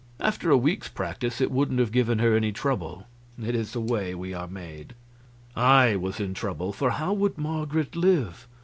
After a week's practice it wouldn't have given her any trouble. It is the way we are made. I was in trouble, for how would Marget live?